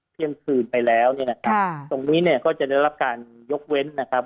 เที่ยงคืนไปแล้วเนี่ยนะครับตรงนี้เนี่ยก็จะได้รับการยกเว้นนะครับ